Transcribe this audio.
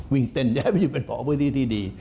วิ่งเต้นย้ายไปอยู่เป็นพอพื้นที่ที่ดี